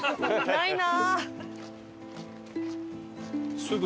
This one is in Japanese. ないな！